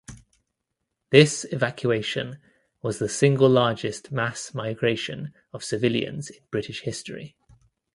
This evacuation was the single largest mass migration of civilians in British history.